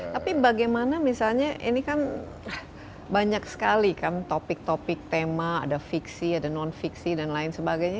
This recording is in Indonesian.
tapi bagaimana misalnya ini kan banyak sekali kan topik topik tema ada fiksi ada non fiksi dan lain sebagainya